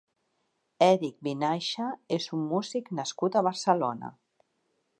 Èric Vinaixa és un músic nascut a Barcelona.